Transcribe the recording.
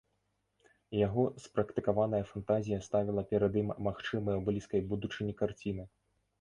Яго спрактыкаваная фантазія ставіла перад ім магчымыя ў блізкай будучыні карціны.